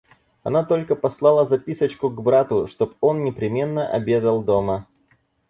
Она только послала записочку к брату, чтоб он непременно обедал дома.